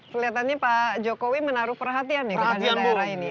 kelihatannya pak jokowi menaruh perhatian ya kepada daerah ini